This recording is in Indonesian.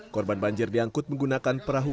korban banjir diangkut menggunakan perahu